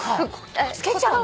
つけちゃうの？